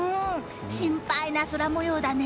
心配な空模様だね。